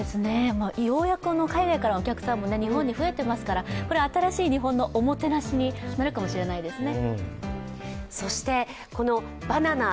ようやく海外からのお客さんも日本に増えていますから、これ新しい日本のおもてなしになるかもしれないですね。